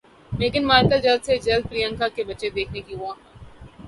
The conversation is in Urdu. میگھن مارکل جلد سے جلد پریانکا کے بچے دیکھنے کی خواہاں